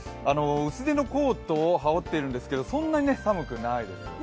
薄手のコートを羽織っているんですけど、そんなに寒くないですよね。